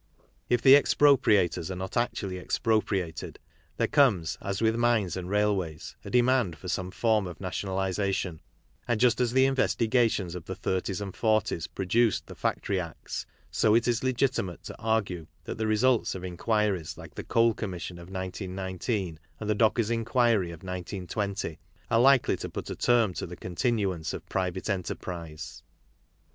If the expropriators are not actually expropriated, there comes, as with mines and railways, a demand for some form of nationalization, and just as the investigations of the / 'thirties and 'forties produced the Factory Acts, so it is legitimate to argue that the results of inquiries like the Coal Commission of 1919, and the Dockers' Inquiry of 1920, are likely to put a term to the continuance of private enterprise.